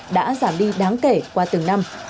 đã giảm đi đáng kể qua từng năm